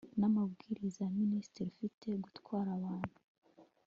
n amabwiriza ya Minisitiri ufite gutwara abantu